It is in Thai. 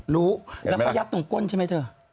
รู้แล้วก็ยัดตรงก้นใช่ไหมเธอ